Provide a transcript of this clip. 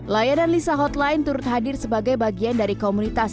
layanan lisa hotline turut hadir sebagai bagian dari komunitas